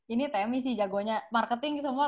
ini tmi sih jagonya marketing semua